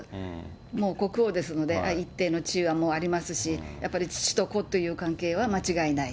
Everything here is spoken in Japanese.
もう国王ですので、一定の地位はありますし、やっぱり父と子という関係は間違いない。